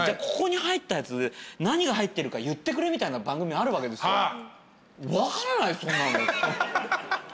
ここに入ったやつ何が入ってるか言ってくれみたいな番組あるわけですよ。